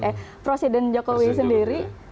eh presiden jokowi sendiri